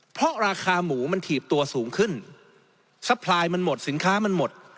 เพราะราคาหมูมันถีบตัวสูงขึ้นซัพพลายมันหมดสินค้ามันหมด